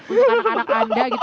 untuk anak anak anda gitu